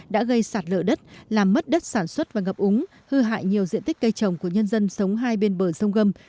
đã gây sạt lở đất làm mất đất sản xuất và ngập úng hư hại nhiều diện tích cây trồng của nhân dân sống hai bên bờ sông gâm